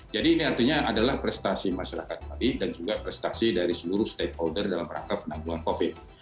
jadi ini artinya adalah prestasi masyarakat bali dan juga prestasi dari seluruh stakeholder dalam rangka penanggulangan covid